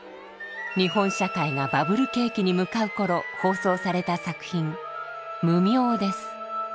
日本社会がバブル景気に向かう頃放送された作品「無明」です。